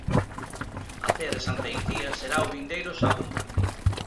A cea de Santa Icía será o vindeiro sábado